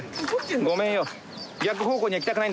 ごめんよ。